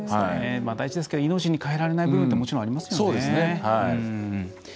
大事ですけど命に代えられない部分ってもちろん、ありますよね。